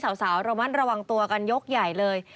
สาวระมัดระวังตัวกันยกใหญ่เลย